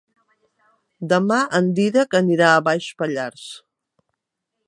Demà en Dídac anirà a Baix Pallars.